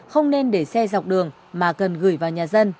không nên để xe dọc đường mà cần gửi vào nhà dân